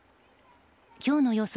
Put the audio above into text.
今日の予想